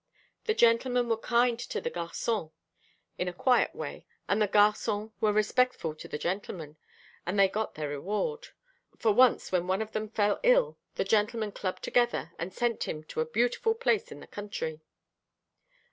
The gentlemen were kind to the garçons, in a quiet way, and the garçons were respectful to the gentlemen, and they got their reward, for once when one of them fell ill, the gentlemen clubbed together, and sent him to a beautiful place in the country.